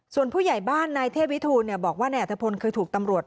ส่วนผู้ใหญ่บ้านในเทพวิทูเนี่ยบอกว่าในอัตภพลคือถูกตำรวจ